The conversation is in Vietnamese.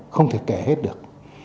không thể kể hết được